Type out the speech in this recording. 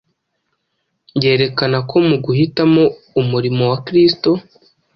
yerekana ko mu guhitamo umurimo wa Kristo